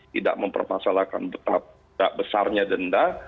tidak mempermasalahkan betapa besarnya denda